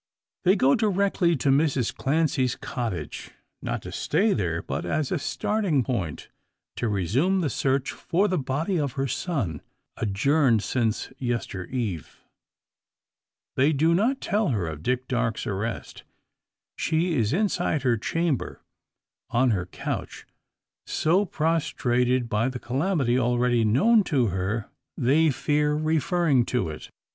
They go direct to Mrs Clancy's cottage; not to stay there, but as a starting point, to resume the search for the body of her son, adjourned since yester eve. They do not tell her of Dick Darke's arrest. She is inside her chamber on her couch so prostrated by the calamity already known to her, they fear referring to it.